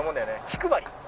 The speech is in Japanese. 気配り。